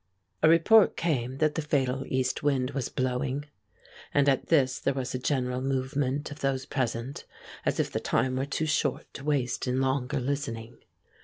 A report came that the fatal east wind was blowing. And at this there was a general movement of those present, as if the time were too short to waste in longer listening.